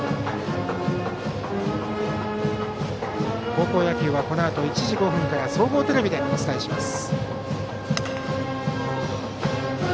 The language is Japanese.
高校野球はこのあと１時５分から総合テレビでお伝えします。